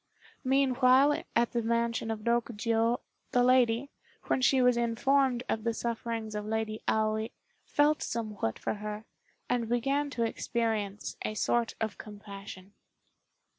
Meanwhile at the mansion of Rokjiô, the lady, when she was informed of the sufferings of Lady Aoi, felt somewhat for her, and began to experience a sort of compassion.